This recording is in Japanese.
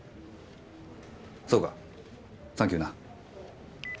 そうかサンキューな。